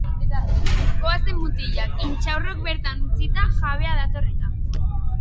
Goazen, mutilak, intxaurrok bertan utzita, jabea dator eta.